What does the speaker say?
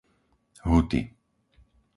Huty